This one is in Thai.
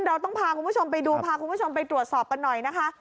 เราต้องพาคุณผู้ชมไปดูพาคุณผู้ชมไปตรวจสอบกันหน่อยนะคะ